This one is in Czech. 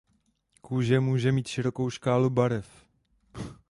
Kůže může mít širokou škálu barev.